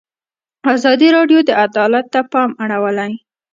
ازادي راډیو د عدالت ته پام اړولی.